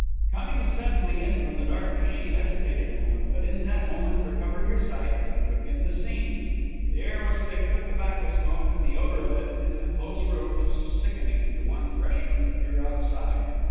Coming suddenly in from the darkness, she hesitated a moment, but in that moment recovered her sight and took in the scene. The air was thick with tobacco smoke, and the odor of it, in the close room, was sickening to one fresh from the pure outside.